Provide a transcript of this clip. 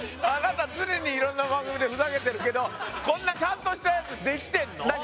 あなた常にいろんな番組でふざけてるけどこんなちゃんとしたやつできてんの？